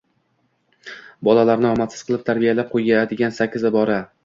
Bolalarni omadsiz qilib tarbiyalab qo'yadigan sakkiz ibora.